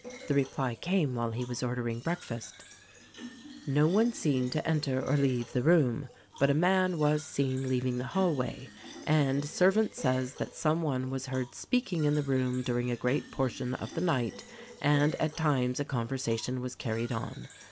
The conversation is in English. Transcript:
The reply came while he was ordering breakfast: "No one seen to enter or leave the room ; but a man was seen leaving the hallway, and servant says that some one was heard speaking in the room during a great portion of the night, and at times a conversation was carried on.